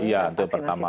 iya untuk pertama